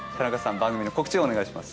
番組の告知をお願いします。